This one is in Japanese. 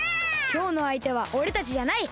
きょうのあいてはおれたちじゃない！